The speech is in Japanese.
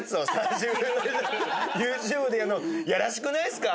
自分のＹｏｕＴｕｂｅでやんのやらしくないっすか？